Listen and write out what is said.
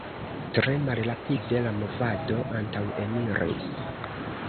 Tre malrapide la movado antaŭeniris.